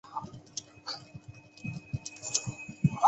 科维尼亚克。